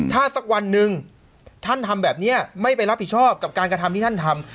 ถ้าสักวันหนึ่งท่านทำแบบนี้ไม่ไปรับผิดชอบกับการกระทำที่ท่านทำ